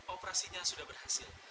operasinya sudah berhasil